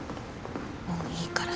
もういいから。